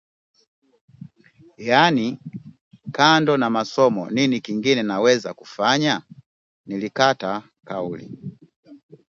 Yaani, kando na masomo nini kingine naweza kufanya ? Nilikata kauli